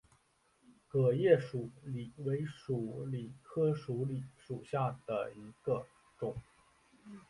革叶鼠李为鼠李科鼠李属下的一个种。